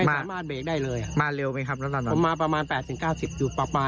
ฐานผมได้กับเค้าก็มาเลย